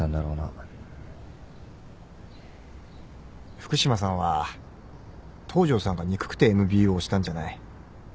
福島さんは東城さんが憎くてＭＢＯをしたんじゃない。